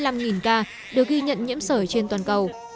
còn hơn một trăm sáu mươi năm ca được ghi nhận nhiễm sởi trên toàn cầu